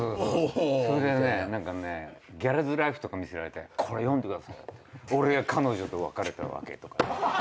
それでね何かね『ＧＡＬＳＬＩＦＥ』とか見せられて「これ読んでくださいよ。俺が彼女と別れた訳」とか。